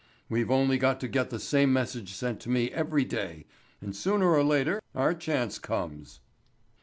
We've only got to get the same message sent to me every day, and sooner or later our chance comes."